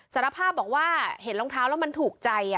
สารภาพบอกว่าเห็นรองเท้าแล้วมันถูกใจ